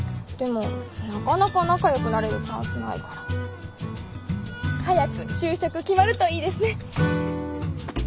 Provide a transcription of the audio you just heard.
でもなかなか仲良くなれるチャンスないから。早く就職決まるといいですね。